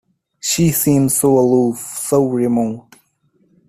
She seems so aloof, so remote.